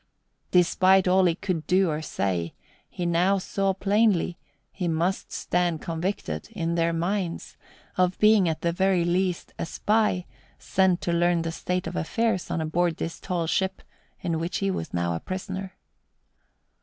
Despite all he could do or say, he now saw plainly, he must stand convicted, in their minds, of being at the very least a spy sent to learn the state of affairs on board this tall ship in which he was now a prisoner.